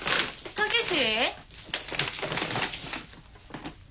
武志？